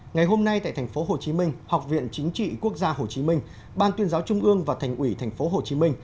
ngày hôm nay tại tp hcm học viện chính trị quốc gia hồ chí minh ban tuyên giáo trung ương và thành ủy tp hcm